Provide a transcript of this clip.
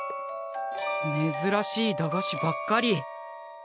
めずらしい駄菓子ばっかり。